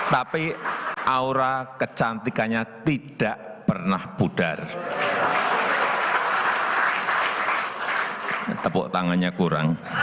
tapi aura kecantikannya tidak pernah pudar